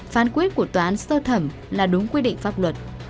phán quyết của tòa án sơ thẩm là đúng quy định pháp luật